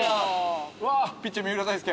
ピッチャー三浦大輔。